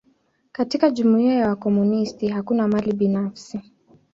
Katika jumuia ya wakomunisti, hakuna mali binafsi.